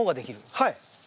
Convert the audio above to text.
はい。